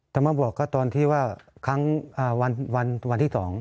จะมาบอกก็ตอนที่ว่าวันที่สอง